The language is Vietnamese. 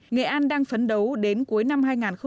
nghệ an đang phấn đấu đến cuối năm hai nghìn một mươi sáu